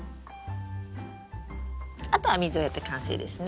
あとは水をやって完成ですね。